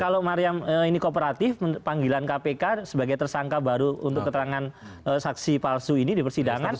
kalau mariam ini kooperatif panggilan kpk sebagai tersangka baru untuk keterangan saksi palsu ini di persidangan